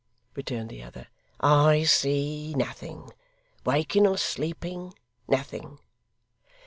returned the other, 'I see nothing. Waking or sleeping, nothing.